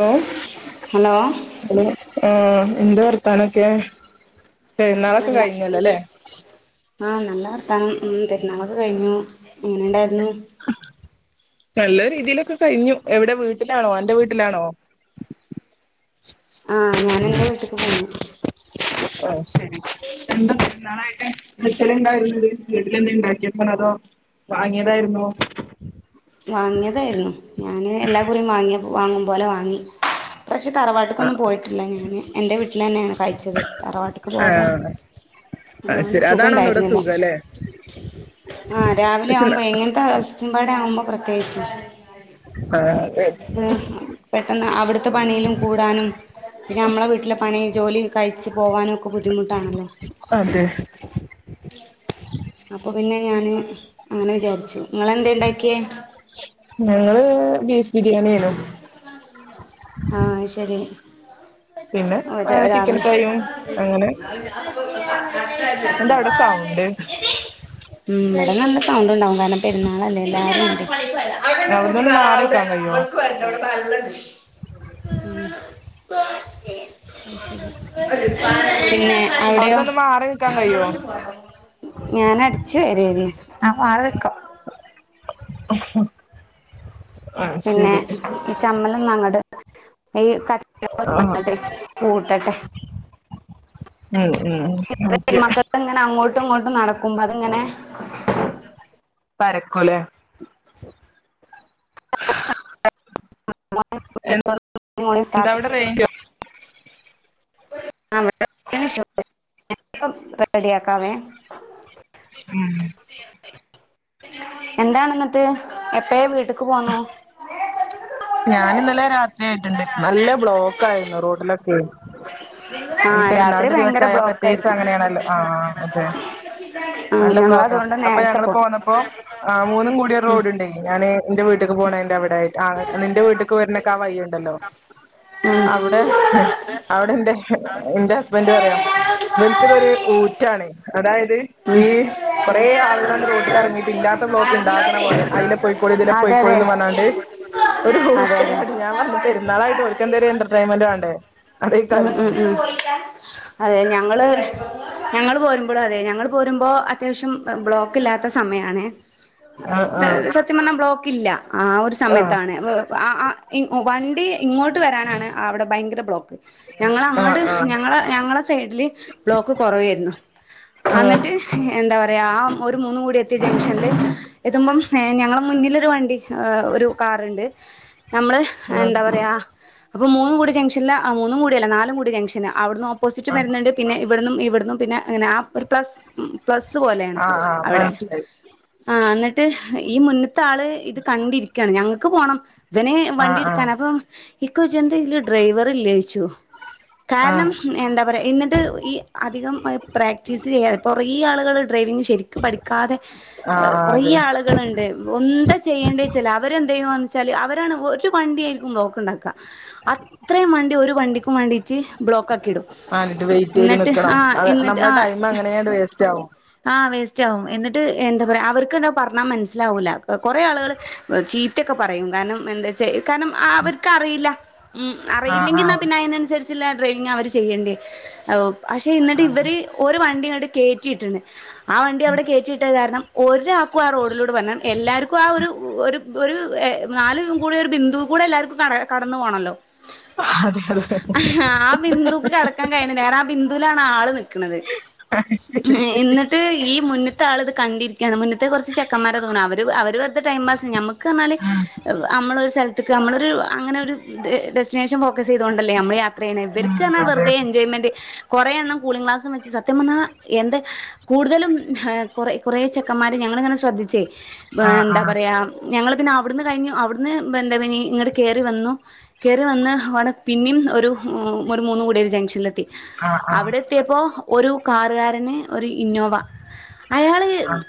hello hello hello ആ എന്ത് വർത്താനൊക്കെ പെരുന്നാളൊക്കെ കഴിഞ്ഞല്ലോല്ലേ ആ നല്ല വർത്താനം ഉം പെരുന്നാളൊക്കെ കഴിഞ്ഞു എങ്ങനെയുണ്ടായിരുന്നു നല്ല രീതിയിലൊക്കെ കഴിഞ്ഞു എവിടെ വീട്ടിലാണോ അൻ്റെ വീട്ടിലാണോ ആഹ് ഞാൻ എൻ്റെ വീട്ട്ക്ക് പോന്നു ആ ശരി പെരുന്നാളായിട്ട് സ്പെഷ്യല് ഇണ്ടായിരുന്നത് വീട്ടില് എന്താ ഇണ്ടാക്കിയതാണോ അതോ വാങ്ങിയതായിരുന്നോ വാങ്ങിയതായിരുന്നു ഞാന് എല്ലാ കൊല്ലം വാങ്ങിയ വാങ്ങും പോലെ വാങ്ങി പക്ഷേ തറവാട്ടിക്കൊന്നും ആഹ് പോയിട്ടില്ല ഞാൻ എൻ്റെ വീട്ടില് തന്നെയാണ് കഴിച്ചത് തറവാട്ടിക്ക് പോവാതെ ആഹ് അത് ഒന്നാമത് ശരി സുഖം അതാണ് ഒന്നൂടെ ഉണ്ടായിരുന്നില്ല സുഖം അല്ലേ ആ പക്ഷെ രാവിലെയാവുമ്പോ എങ്ങനത്ത ഇവടാകുബം പ്രത്യേകിച്ച് ആഹ് അതെ ഹും പെട്ടെന്ന് അ അവിടുത്തെ പണിയിലും കൂടാനും പിന്നെ നമ്മടെ വീട്ടിലെ പണി ജോലിയും കൈച്ച് പോവാനും ഒക്കെ ബുദ്ധിമുട്ടാണല്ലോ അതെ അപ്പൊ പിന്നെ ഞാന് അങ്ങനെ വിചാരിച്ചു ഇങ്ങള് എന്താ ഇണ്ടാക്കിയെ ഞങ്ങള് ബീഫ് ബിരിയാണിയാണ് രാവണ ഫ്രൈയും അങ്ങനെ എന്താ അവിടെ സൗണ്ട് ഉ അവിടെ നല്ല സൗണ്ട് ഉണ്ടാവും കാരണം പെരുന്നാളല്ല ആ അവിടെ അവിടന്നൊന്ന് കട്ടാള മാറി അവിടെ നിക്കാൻ കഴിയോ ഇവിടെയൊക്കെ വരണ്ട ബ പിന്നെ അവിടെയോ അവിടന്നൊന്ന് മാറി നിക്കാൻ കഴിയോ ഞാന അടിച്ചു [unintelligible] ആ മാറിനിക്കാം അഹ് അഹ് പിന്നെ ഈ ചമ്മൽ ന്നങ്ങട് എയ് ക്കറ്റ് ആഹ് ഉം ഉം ഓക്കെ [unintelligible] തങ്ങോട്ട് നടക്കുമ്പൊ അത്ങ്ങനെ പരക്കൊല അപ് എന്താ അവിടെ റേഞ്ചോ [unintelligible] [unintelligible] റെഡിയാക്കാവേ മ്മ് എന്താണ്‌ന്ന്ട്ട് എപ്പയേ വീട്ടക്ക് പോന്നു ഞാനിന്നലെ രാത്രി ആയിട്ട്ണ്ട് നല്ല ബ്ലോക്ക് ആയിരുന്നു റോഡിലൊക്കെ ആ ഈ രാത്രി പെരുന്നാൾടെ ഭയങ്കര ദിവസായ ബ്ലോക്ക് പ്രത്യേകിച്ച് ആയിരിക്കും അങ്ങനെയാണല്ലോ ആആ ആ ഓക്കെ നല്ല ബ്ലോക്കാ ഞങ്ങളതുകൊണ്ട് അപ്പൊ നേരത്തെ ഞങ്ങള് പോന്നു പോന്നപ്പോം ആ മൂന്നും കൂടിയരു റോഡുണ്ടേയ് ഞാന് എന്റെ വീട്ട്ക്ക് പോണേന്റെവിടായിട്ടാ ആ നിൻ്റെ വീട്ട്ക്ക് വരുന്നേക്കാ വയ്യുണ്ടല്ലോ ഉം അവിടെ അവിടെ എന്റെ എന്റെ ഹസ്ബൻഡ് പറയാം വിൽക്കുന്ന ഒരു ഊറ്റാണ് അതായത് ഈ കൊറെേ ആളുകള്ണ്ട് റോഡിലിറങ്ങിട്ട് ഇല്ലാത്ത ബ്ലോക്ക് ണ്ടാക്ക്‌ണ പോലെ അയിലെ പൊയിക്കോളി ഇതിലെ അതെ അതെ പൊയിക്കോളിന്ന് പറഞ്ഞാണ്ട് ഒരു അതെ അതെ ഉച്ചങ്ങാടി ഞാൻ പറഞ്ഞു പെരുന്നാളായിട്ട് ഓൽകെന്തേലും എന്റർടൈൻമെന്റ് വേണ്ടേ മ്മ് അതേക്കാരും പറഞ്ഞ് മ്മ് മ്മ് അതെ ഞങ്ങള് ഞങ്ങള് പോരുമ്പോള് അതെ ഞങ്ങൾ പോരുമ്പോ അത്യാവശ്യം ബ്ലോക്ക് ഇല്ലാത്ത സമയാണെ അ ആഹ് എന്താത് സത്യം പറഞ്ഞ ബ്ലോക്ക് ഇല്ല ആ ഒരു ആഹ് സമയത്താണ് ആഹ് ഒ ആആ ഇൻ ഒ വണ്ടി ഇങ്ങോട്ട് വരാനാണ് അവിടെ ഭയങ്കര ബ്ലോക്ക് ഞങ്ങളങ്ങ്ട് ഞങ്ങള ഞങ്ങള സൈഡില് ബ്ലോക്ക് കുറവേരുന്നു ആഹ് അന്നിട്ട് എന്താ പറ അതയാ ആ ഒരു മൂന്നും കൂടി എത്തിയ ജംഗ്ഷനില് എത്തുമ്പം ഏ ഞങ്ങള മുന്നിലൊരു വണ്ടി ഹ് ഒരു കാറുണ്ട് നമ്മളഹ് ആഹ് എന്താ പറയാഹ് അപ്പോം മൂന്നും കൂടിയ ജംഗ്ഷൻലാ ആ മൂന്നുംകൂടിയല്ല നാലുംകൂടിയ ജംഗ്ഷന അവിടുന്ന് ഓ ആഹ് ആഹ് പ്പോസിറ്റും ആഹ് ആഹ് വരുന്നുണ്ട് പിന്നെ ഇവിടുന്നുംഈ വ്ടുന്നും പിന്നെ അങ്ങനെ ആ ഒരു പ്ലസ് മ്മ് വിട് പ്ലസ്സ് പോലെയാണ് ആഹ് അവിടെ മനസ്സിലായി ആ എന്നിട്ട് ഹ ഈ മുന്ന്ത് - ത്ത ആള് ഇത് കണ്ടിരിക്കാണ് ഞങ്ങൾ ക്ക് പോണം ഇതനെ ആഹ് വണ്ടി ആഹ് എടുക്കാൻ അപ്പം ഇക്ക ചോദിച്ചു ഡ്രൈവറില്ലേ ഡ്രൈവർല്ലേച ആഹ് കാരണം ആഹ് എന്താ പറയാ എന്നിട്ട് ഈ അധികം പ്രാക്ടീസ് ചെയ്യാതെ കൊറേ ആളുകള് ഡ്രൈവിംഗ് ശരിക്ക് പഠിക്കാതെ ആഹ് കുറേ അതെ ആളുകളുണ്ട് എന്താ ചെയ്യേണ്ട വെച്ചല് അവരെന്ത ചെയ്യോന്ന് വെച്ചാല് അവര് ഒരു വണ്ടിയാരിക്കും ബ്ലോക്ക് ഉണ്ടാക്കുക ഇത്രയും വണ്ടി ഒരു വണ്ടിക്കും വേണ്ടിട്ട് ബ്ലോക്ക് ആക്കിയിടും ആ എന്നിട്ട് വെയിറ്റ് ചെയ്ത് എന്നിട്ട് നിക്കണം ആഹ് അത് എന്നിട്ട് നമ്മളെ ആഹ് ടൈം അങ്ങനെയാണ്ട് വേസ്റ്റ് ആവും ആഹ് വേസ്റ്റ് ആകും എന്നിട്ട് എന്താ പറയാ അവർക്ക് എന്താ പറഞ്ഞാ മനസ്സിലാവൂല്ല കൊറേ ആളുകൾ ചീത്തോക്കെ പറയും കാരണം എന്താ വച്ചാ കാരണം അവർക്കറിയില്ല ഉം ആഹ് അറിയില്ലെങ്കിൽ എന്നാ പിന്നെ അതിനനുസരിച്ചുള്ള ട്രെയിനിങ് അവർ ചെയ്യണ്ടേ ഓ പക്ഷെ എന്നിട്ട് ആഹ് ഇവര് ഒരു വണ്ടി കേറ്റിയിട്ട്ണ് ആ വണ്ടി അവിടെ കയറ്റിയിട്ടത് കാരണം ഓരാ ആ റോഡിലൂടെ പറഞ്ഞ എല്ലാവർക്കും ആ ഒരു ഒരു നാലും കൂടി ഒരു ബിന്ദുവുകൂടെ എല്ലാവർക്കും കട കടന്നു പോകണമല്ലോ അതെ അതെ അതെ ആ ബിന്ദുക്ക് കടക്കാൻ കഴിയുന്നില്ല കാരണം ആ ബിന്ദു നാള് നിക വരണത് [unintelligible] എന്നിട്ട് ഈ മുന്ന മുന്നത്ത ആൾ ഇത് കണ്ടിരിക്കയാണ് മുന്നത്തെ കുറചെക്കന്മാരെ തോന്നും അവര് അവർ വെറുത്തെ ടൈം പാസ് നമുക്ക് എന്തൊക്കെ പറഞ്ഞാല നമ്മള ഒരു സ്ഥല ക്ക് നമ്മളൊ ഒരു അങ്ങനൊരു ഡെസ്റ്റിനേഷൻ ഫോക്കസ് ചെയ്തുകൊണ്ടല്ലേ നമ്മൾ യാത്ര അതന ഉം ഇവർക്കണ് അതെ വെറുതെ എൻജോയ്മെന്റ് കുറെ എണ്ണം കൂളീംഗ് ഗ്ലാസും വെച്ച സത്യം പറഞ്ഞ എന്ത [inaudible] കൂടുതലും ഹെ കുറെ കുറെ ചെക്കന്മാര് ഞങ്ങളിങ്ങനെ ശ്രദ്ധിച്ചേ ഏ ആഹ് എന്താ ആഹ് പറയാ ഞങ്ങൾ പിന്നെ ഇവട്ന്ന് കഴിഞ്ഞു അവിടുന്ന് ബെന്താ ഇങ്ങട്ട് കേറി വന്നു കേറി വന്ന് പിന്നിം ഒരു ഉം ഒരു മൂന്നും കൂടിയ ഒരു ജംഗ്ഷൻലെത്തി ആഹ് അവിടെത്തിയെപ്പോ ഒരു കാറ്കാരന് ഒരു ഇന്നോവ അയാള് ആഹ്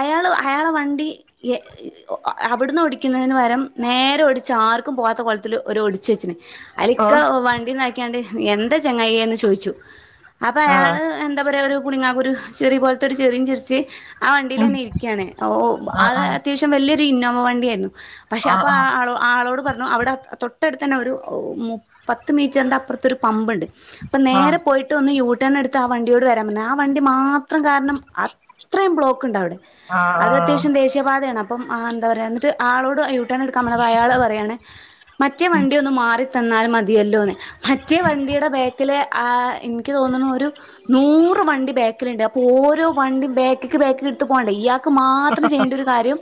അയാൾ അയാളെ വണ്ടി എ ഒ അവിട്ന്ന് ഒടിക്കുന്നതിന് പകരം നേരെ ഒടിച്ച് ആർക്കും പോകത്ത കോലത്തിൽ ഒരു ഒടിച്ച് വെച്ച്ണ് അയിലിക്ക വണ്ടിതാക്കിയാണ്ട് എന്താ ചെങ്ങായെന്ന് ചോ ചോയിച്ചു അപ്പൊ ആഹ് ആഹ് അയാൾ ആഹ് എന്താ പറയാ ഒരു പുളിങ്ങാ കുരു ചിറി പോലത്തെ ഒരു ചിറിം ചിർച്ച് ആ ഉം വണ്ടിയിലെന്നെ ഇരിക്കാണ് ഓ ആഹ് അത് ആഹ് അത്യാവശ്യം വല്ല്യ ത് ഇന്നോവ വണ്ടിയായിരുന്നു പക്ഷെ ആഹ് ആഹ് അപ്പൊ ആ ആഹ് ആളോ ആളോട് പറഞ്ഞു അവിടെ തൊട് തൊട്ടടുത്ത് തന്നെ ഒരു മു പത്ത് മീറ്ററിൻ്റെ അപ്പർത്ത് ഒരു പമ്പ്ണ്ട്‌ അപ്പൊ ആഹ് നേരെ പോയിട്ട് ഒന്ന് യൂട് ട്ടൺ എടുത്ത് ആ വണ്ടിയോട് വരാൻ ണ് ആ വണ്ടി മാത്രം കാരണം അത്രയും ബ്ലോക്ക് ഇണ്ട് അവിടെ അത് ആഹ് അത്യാവശ്യം ദേശീയപാതയാണ് അപ് അപ്പം ആ എന്താ പറയാ ന്നട്ട് ആളോട് യു ട്ടേണ് ഇട്ക്കാൻ പറഞ്ഞപ്പോ അയാൾ പറയാണ് മറ്റേ വണ്ടി ഒന്ന് മാറിത തന്നാൽ മതിയല്ലോന്ന് മറ്റേ വണ്ടിയുടെ ബാക്കിൽ ആ ഇൻക്ക് തോന്നുണു ഒരു നൂ നൂറ് വണ്ടി ബാക്കിലിണ്ട് അപ്പോ ഓരോ വണ്ടി ബാക്ക്ക്ക് ബാക്ക്ക്ക് ഇട്ത്ത് പോണ്ടേ ഇയാ ക്ക് മാത്രം ചെയ്യേണ്ട ഒരു കാര്യം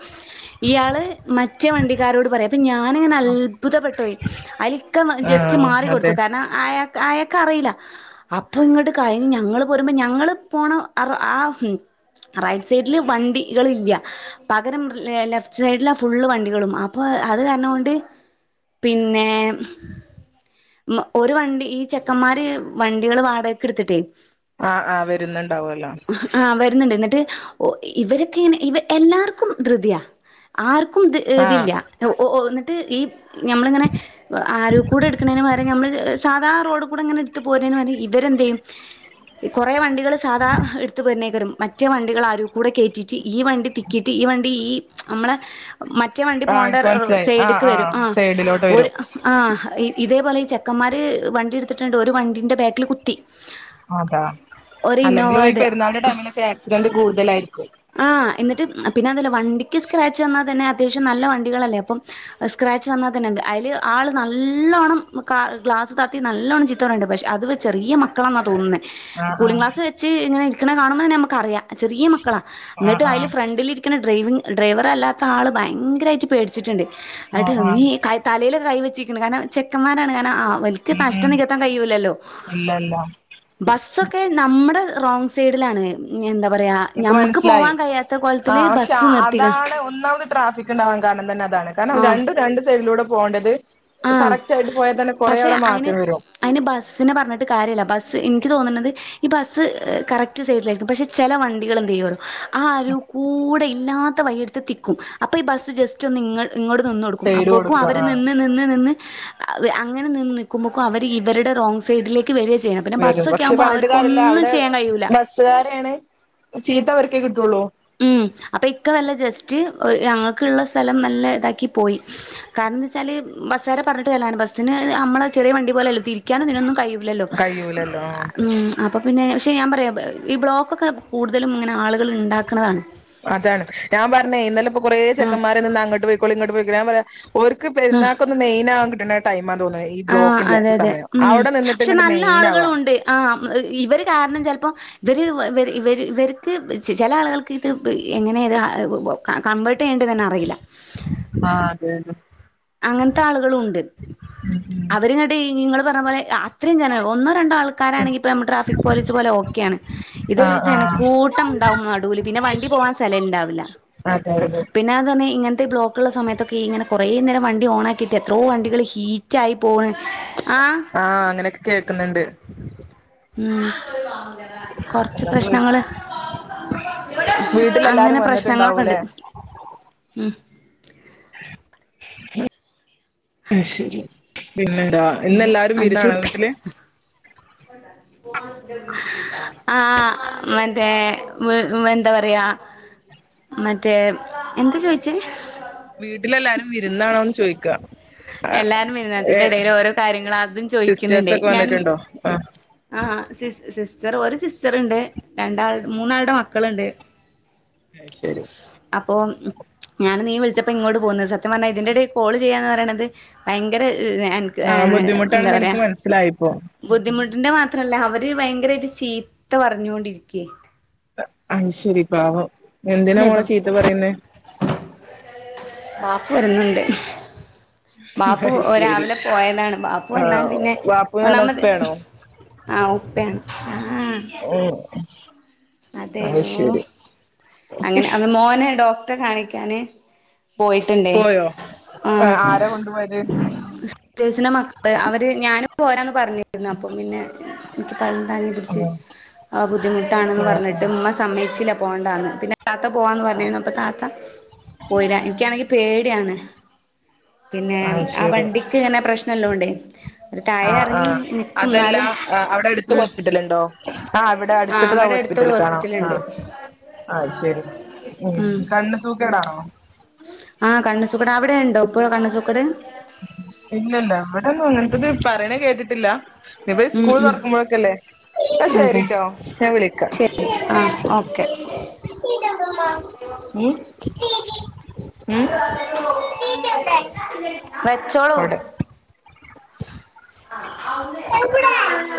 ഇയാള് മറ്റേ വണ്ടിക്കാരോട് പറയാ അപ്പം ഞാനിങ്ങനെ അത്ഭുതപ്പെട്ടോയി അയിൽ ഇ ക്ക ജസ്റ്റ് ആഹ് മാറി കൊടുത്തു അതെ കാരണം അയാ അയാക്ക് അറീല്ല അപ്പൊ ഇങ്ങട്ട് കഴിഞ്ഞ് ഞങ്ങള് പ് പോരുമ്പോ ഞങ്ങൾ പോണ ആ ആ റൈറ്റ് സൈഡിൽ വണ്ടി കൾ ഇല്ല പകരം ലെഫ്റ്റ് സൈഡിലാ ആ ഫുള്ള് വണ്ടികളും അപ്പൊ അത് കാരണം കൊണ്ട് പിന്നെ മ്മ് ഒരു വണ്ടി ഈ ചെക്കന്മാര് വണ്ടികൾ വാടകക്ക് ഇട്ത്തിട്ടേ ആ ആ വെരുന്ന്ണ്ടാവോല്ലോ ട്ട് ഒ ഇവരൊക്കെങ്ങെനെ ഇവ എല്ലാർക്കും ധൃതിയാ ആർക് ക്കും ദി ആഹ് ധൃതിയില്ല ഒ ഒ ന്ന ട്ട് ഈ പ് ഞമ്മളിങ്ങനെ അരുകൂടെ ഇട്ക്ക്‌ണേന് പകരം നമ്മൾ സാധാ റോഡ് കൂടെ ഇങ്ങനെ എടുത്ത് പോരുന്നേന് പകരം ഇവരെന്തു ചെയ്യും ഈ കുറേ വണ്ടി കുട്ടികൾ സാധാ എടുത്ത് വരുന്നേക്കരും മറ്റേ വണ്ടികള് അരൂ കൂടെ കേറ്റീട്ട് ഈ വണ്ടി തിക്കിയിട്ട് ഈ വണ്ടി ഈ നമ്മളെ മറ്റേ വണ്ടി ആഹ് പോകേണ്ട ഇൻക്ക് മനസ്സിലായി ആഹ് സൈഡ്ക്ക് വരും ആഹ് ആ സൈഡിലോട്ട് ഒരു വരും ആ ഇതേപോലെ ചെക്കന്മാര് വണ്ടി എടുത്തിട്ടുണ്ട് ഒരു വണ്ടീന്റെ ബാക്കിൽ കുത്തി അതാ ഒരു ഇന്നോവ അല്ലെങ്കിലും ഈ അത് പെരുന്നാളിന്റെ ടൈമിലൊക്കെ ആക്സിഡന്റ് കൂടുതലായിരിക്കും ആ എന്നിട്ട് പിന്നെ എന്താല്ലേ വണ്ടിക്ക് സ്ക്രാച്ച് വന്നാൽ തന്നെ അത്യാവശ്യം നല്ല വണ്ടികളല്ലേ അപ്പം സ്ക്രാച്ച് വന്നാൽ തന്നെ എ അതിൽ ആള് നല്ലോണ്ണം ഗ്ലാസ് താത്തി നല്ലോണ്ണം ചീത്ത പറയണുണ്ട് പക്ഷെ അത് ചെറിയ മക്കളാന്നാ തോന്നുന്നെ ആഹ് കൂളിങ് ക്ലാസ് ആഹ് വെച്ച് ഇങ്ങനെ പിക്കണ കാണുമ്പം തന്നെ നമുക്കറിയാം ചെറിയ മക്കളാ ആഹ് എന്നിട്ട് അയില് ആഹ് ഫ്രണ്ടിലിരിക്കണ ഡ്രൈവിങ് ഡ്രൈവർ അല്ലാത്ത ആൾ ഭയങ്കരമായിട്ട് പേടിച്ചിട്ടുണ്ട് അന്നിട്ട് ആഹ് ആഹ് മേയ് തലയില് കൈ വെച്ച് ചിക്കണ് കാരണം ചെക്കന്മാരാണ് കാരണം ഓര്ക്ക് നഷ്ടം ഉം നികത്താൻ കഴിയൂല്ലല്ലോ ഇല്ല ഇല്ല ബസ്സൊക്കെ നമ്മുടെ റോങ് സൈഡിലാണ് ഇനിയെന്താ എന്താ പറയാ എനിക്ക് ഞമ്മുക്ക് മനസ്സിലായി ആ പക്ഷെ നിർത്തിക്ക്ണ് അതാണ് ഒന്നാമത് ട്രാഫിക് ഉണ്ടാവാൻ കാരണം തന്നെ അതാണ് കാരണം ആഹ് രണ്ടും രണ്ട് സൈഡിലൂടെ പോകേണ്ടത് ആഹ് കറക്റ്റ് ആയിട്ട് പോയാൽ തന്നെ കൊറെേ പക്ഷെ അവിടെ അയിന് മാറ്റം വരും അയിന് ബസിനെ പറഞ്ഞിട്ട് കാര്യല്ല ബസ് ബസ് എനിക്ക് തോന്നുന്നത് ഈ ബസ് കറക്റ്റ് സൈഡിലായിരിക്കും പക്ഷെ ചില വണ്ടികൾ എന്ത് ചെയ്യുമോ ആ അരുവ് കൂടെ ഇല്ലാത്ത വഴിയെടുത്ത് തിക്കും അപ്പോൾ ഈ ബസ്സ് ജസ്റ്റ് ഒന്ന് നിങ്ങൾ ഇങ്ങോട്ട് നിന്ന് കൊടുക്കും സൈഡ് അപ്പോക്കും കൊടുക്ക അവര് ആ നിന്ന് നിന്ന് അങ്ങനെ നിന്ന് നിക്കുമ്പോക്ക് അവര് ഇവരുടെ റോങ്ങ് സൈഡിലേ വരും പക്ഷെ പറഞ്ഞിട്ട് കാര്യമില്ല അവിടെ ചെയ്യാൻ കഴിയൂല ബസ്സുകാരാണ് ചീത്തവർ ഒക്കെ കിട്ടുള്ളു ഉം അപ്പൊ ഇക്ക വല്ല ജസ്റ്റ് ഒര് ഞങ്ങൾക്കുള്ള സ്ഥലം നല്ല ഇതാക്കി പോയി കാരണംന്ന് വെച്ച് എന്ന് വെച്ചാല് ബസ്സ്കാരെ പറഞ്ഞിട്ട് കാര്യമില്ല ബസ്സിന് നമ്മള് ചെറിയ വണ്ടി പോലല്ലോ തിരിക്കാനും അതിനൊന്നും കഴിയൂലല്ലോ കഴൂലല്ലോ ഉം ആ അപ്പോൾ പിന്നെ പക്ഷേ ഞാൻ പറയാം ഈ ബ്ലോക്കൊക്കെ കൂടുതലും ഇങ്ങനെ ആളുകൾ ഉണ്ടാക്ക് കണ്താണ് അതാണ് ഞാൻ പറഞ്ഞേ ഇന്നലെ അപ്പം കുറേ ആ ചെക്കമ്മാര് നിന്ന് അങ്ങട്ട് പോയിക്കോളി ഇങ്ങട്ട് പോയി [unintelligible] ഓർക്ക് പെരുന്നാക്ക് ഒന്ന് മെയിൻ ആവാൻ കിട്ടണ ടൈമാ തോന്നുന്നത് ഈ ആ ബ്ലോക്കിന്റെ അതെ അതെ സമയം ഉം അവിടെ നിന്നിട്ട് പക്ഷെ ഇങ്ങട്ട് നല്ല മെയിൻ ആവാ ആളുകളും ഉണ്ട് ആ ഇവര് കാരണം ചിലപ്പോ ഇവർ ഇവർക്ക് ചില ആളുകൾക്ക് ഇത് എങ്ങനെ ഇത് കവേർട്ട് [unintelligible] അറിയില്ല അതെന്ന അങ്ങനത്തെ ആളുകളുണ്ട് ഉം ഉം അവരിങ്ങട്ട് പറഞ്ഞ പോലെ അത്രയും ജനം ഒന്നോ രണ്ടോ ആൾക്കാരാണെങ്കിൽ ഇപ്പ നമ്മടെ ട്രാഫിക് പോലീസ് പോലെ ഓക്കെയാണ് ഇതൊരു ആഹ് ആഹ് ജനക്കൂട്ടം ഉണ്ടാവും നടുവില് പിന്നെ വണ്ടി പോകാൻ സ്ഥലമുണ്ടാവില്ല അതെ അതെ പിന്നെ അത് തന്നെ ഇങ്ങ [unintelligible] തിരക്കുള്ള സമയത്തൊക്കെ ഇങ്ങനെ കുറേ നേരം വണ്ടി ഓൺ ആക്കിയിട്ട് എത്രോ വണ്ടികള് ഹീറ്റായി പോണ് ആഹ് ആ അങ്ങനെയൊക്കെ കേൾക്കുന്നുണ്ട് ഉം കൊറച്ച് പ്രശ്നങ്ങള് വീട്ടിലെല്ലാരും അങ്ങനെ പ്രശ്നങ്ങളൊക്കെ വന്നിട്ടുണ്ടാവൂലേ ഉണ്ട് ഉം അത് ശരി പിന്നെന്താ ഇന്ന് ഇല്ല എല്ലാരും വിരാണോ അഞ്ചുറുപ്യ വീട്ടില് ആ മറ്റേ മ് മ് എന്താ പറിയാ മറ്റേ എന്ത് ചോയിച്ചേ വീട്ടിലെല്ലാരും വിരുന്നാണോന്ന് ചോയിക്ക എല്ലാരും വരുന്ന അതിന്റെ ഇടയില് ഓരോ കാര്യങ്ങള് അതും സിസ്റ്റേഴ്സ് ചോയിക്കുന്ന്ണ്ടേ ഒക്കെ ഞാനും വന്നിട്ടുണ്ടോ ആഹ് ആഹ് സിസ് സിസ്റ്റർ ഒരു സിസ്റ്ററ്ണ്ട് രണ്ടാൾ മൂന്നാൾടെ മക്കള്ണ്ട് അത് ശരി അപ്പൊ ഞാന് നീ വിളി ഇജ്ജപ്പ ഇങ്ങോട് പോന്ന് സെ ത്യം പർഞ്ഞ ഇതിന്റെടേ കോള് ചെയ്യാന്ന് പ താണ് ഇത് ഭയങ്കരെ [unintelligible] എൻക്ക് ആഹ് [unintelligible] എന്താ ബുദ്ധിമുട്ടാണെന്ന് പറയാ എനിക്ക് മനസ്സിലായിപ്പോ ബുദ്ധിമുട് ന്റെ മാത്രല്ല അവര് ഭയങ്കര ഒരു ചീത്ത പർഞ്ഞോണ്ടിരിക്കേ അ അഹ് ശരി പാവം എന്തിനാ മേ മോളെ ചീത്ത ബാപ്പു പറയുന്നേ ബാപ്പ വരുന്നുണ്ട് ബാപ്പു അത് ശരി രാവിലെ പോയതാണ് ബാപ്പു വന്നാൽ ആഹ് പിന്നെ വാപ്പയാണോ ഒന്നാമത് ഉപ്പയാണോ ആഹ് ഉപ്പയാണ് ആ ഉം അത് അതേലോ ശരി അങ്ങനെ അ മോനെ ടോ റ്റെ കാണിക്കാന് പോയിട്ടുണ്ടേ പോയോ ആ ഏ ആരാ കൊണ്ടുപോയത് സിസ്റ്റേഴ്സിന്റെ മക്കള് അവര് ഞാനും പോരാ [unintelligible] പറഞ്ഞിരുന്ന അപ്പം പിന്നെ തഓക് [unintelligible] താങ്ങി പിടിച്ച് ബുദ്ധിമുട്ടാണെന്ന് പറഞ്ഞ പർഞ്ഞിട്ട് ഇമ്മ സമ്മയ്ച്ചീല പോണ്ടാന്ന് പിന്നെ താത്ത പോവാന്ന് പർഞ്ഞീന്നു അപ്പൊ താത്ത പോയീലാ ഇൻക്കാണെങ്കി പേ എടെയാണ് പിന്നെ അത് ആ ശരി വണ്ടിക്ക് ഇങ്ങനെ പ്രശ്ന നല്ലോണ്ടേ ആഹ് ആ അതെല്ല അവിടെ അടുത്ത ആഹ് ഹോസ്പിറ്റൽ ഉണ്ടോ ആഹ് അവിടെ അടുത്തിട്ടത ആ അവിടെ അടുത്തൊരു ഹോസ്പിറ്റൽ ആ ഹോസ്പിറ്റലുണ്ട് ആഹ് അയ്ശരി ഉം കണ്ണ് സൂക്കേടാണോ പ്പ കണ് സുക്കട് ഇല്ലല്ല അവിടെന്നും അങ്ങനത്തത് പറണേ കേട്ടിട്ടില്ല ഇപ്പ ഉം സ്കൂൾ ഉം തുറക്കുമ്പോഴൊക്കെല്ലേ ആ അതെ ശരിട്ടൊ ഞാൻ വിളിക്കാം ശരി ആ ഓക്കെ വെച്ചോളു അവിടെ ഇവിടെ [inaudible]